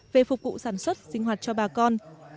về phục vụ sản xuất sinh hoạt cho bà con